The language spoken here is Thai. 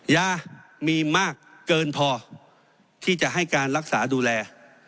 ยามีมากเกินพอที่จะให้การรักษาดูแล